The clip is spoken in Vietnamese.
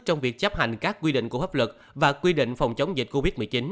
trong việc chấp hành các quy định của pháp luật và quy định phòng chống dịch covid một mươi chín